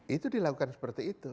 itu dilakukan seperti itu